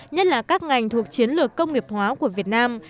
nhất là các ngành thuộc chiến lược công nghiệp hóa của việt nam